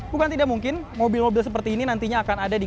bukan tidak mungkin mobil mobil seperti ini nantinya akan ada di